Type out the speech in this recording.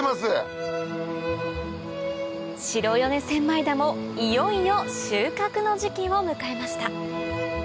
白米千枚田もいよいよ収穫の時期を迎えました